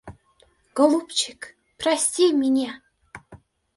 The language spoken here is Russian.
Голубчик, прости меня!